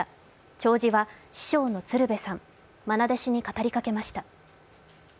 弔辞は師匠の鶴瓶さん、愛弟子に語りかけました。